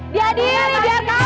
diadili biar ga apa